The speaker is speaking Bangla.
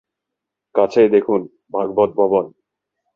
কাছেই দেখুন ভাগবৎভবন।